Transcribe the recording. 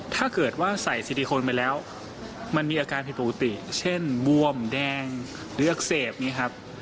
ถ้าเกิดว่าใส่ซิลิโคนไปแล้วมันมีอาการผิดปกติเช่นบวมแดงหรืออักเสบอย่างนี้ครับ